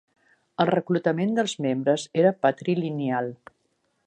El reclutament dels membres era patrilineal.